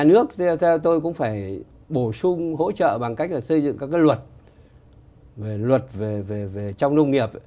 luật về trong nông nghiệp